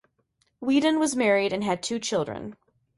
Weedon was married and had two children.